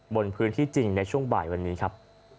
บนพื้นที่จริงในช่วงบ่ายวันนี้ครับ